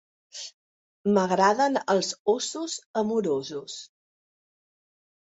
M'agraden els Ossos Amorosos.